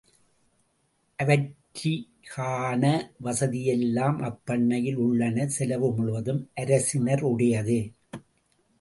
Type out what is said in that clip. அவற்றிகான வசதிகளெல்லாம் அப்பண்னையில் உள்ளன செலவு முழுவதும் அரசினருடையது.